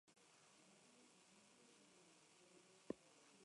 Benjamin la descifra: daba la localización de un mapa invisible para llegar al tesoro.